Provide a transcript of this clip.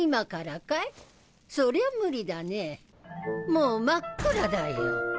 もう真っ暗だよ。